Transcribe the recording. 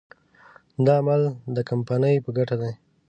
دا عمل د کمپنۍ په ګټه دی.